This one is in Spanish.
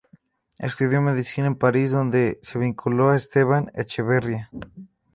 Estudió medicina en París, donde se vinculó a Esteban Echeverría.